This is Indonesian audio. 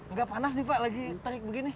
nggak panas nih pak lagi tarik begini